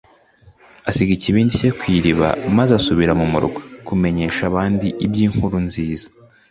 Asiga ikibindi cye ku iriba maze asubira mu murwa, kumenyesha abandi iby'inkuru nziza.